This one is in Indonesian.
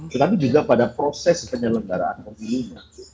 tetapi juga pada proses penyelenggaraan pemilunya